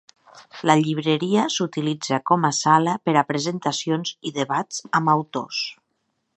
La llibreria s'utilitza com a sala per a presentacions i debats amb autors.